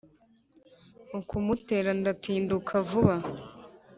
Mu kumutera ndatinduka vuba